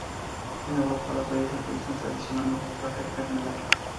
En Europa, las bayas se utilizan tradicionalmente para hacer mermelada.